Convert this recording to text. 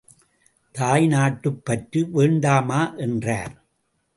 தாய்நாட்டுப் பற்று வேண்டாமா? என்றார்.